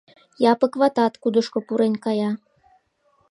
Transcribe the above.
Япык ватат кудышко пурен кая.